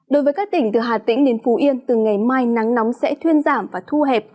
đối với các tỉnh từ hà tĩnh đến phú yên từ ngày mai nắng nóng sẽ thuyên giảm và thu hẹp